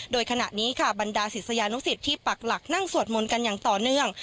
โดยขณะนี้ค่ะบรรดาศิษยานุสิตที่ปักหลักนั่งสวดมนต์กันอย่างต่อเนื่อง